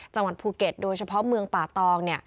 จังหวัดภูเก็ตโดยเฉพาะเมืองป่าตอง